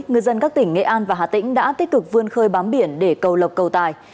người dân các tỉnh nghệ an và hà tĩnh đã tích cực vươn khơi bám biển để cầu lọc cầu tài